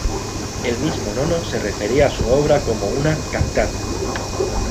El mismo Nono se refería a su obra como una "cantata".